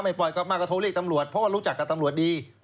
ปล่อยกลับมาก็โทรเรียกตำรวจเพราะว่ารู้จักกับตำรวจดี